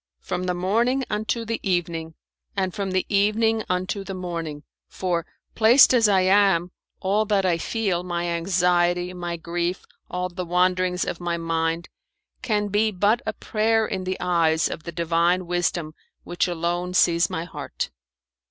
"From the morning unto the evening, and from the evening unto the morning, for, placed as I am, all that I feel my anxiety, my grief, all the wanderings of my mind can be but a prayer in the eyes of the Divine Wisdom which alone sees my heart."